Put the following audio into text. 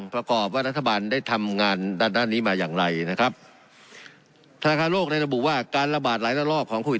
ประกอบว่ารัฐบาลได้ทำงานด้านด้านนี้มาอย่างไรนะครับธนาคารโลกในระบุว่าการระบาดหลายละลอกของโควิด